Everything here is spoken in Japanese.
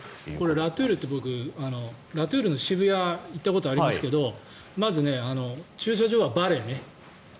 ラ・トゥールって僕、ラ・トゥールの渋谷行ったことありますけどまず駐車場はバレーね。